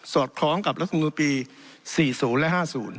อดคล้องกับรัฐมนุนปี๔๐และ๕๐